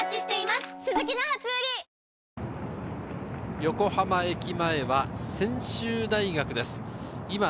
横浜駅前は専修大学です。